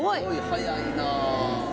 早いなあ。